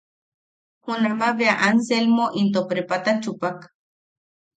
Junama bea Anselmo into prepata chupak.